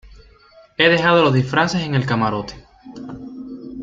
he dejado los disfraces en el camarote.